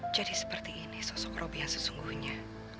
jadi seperti ini sosok robi yang sesungguhnya